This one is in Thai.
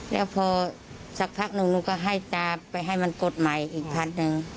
แล้วพอสักพักหนึ่งหนูก็ให้ตาไปให้มันกดใหม่อีกพันหนึ่ง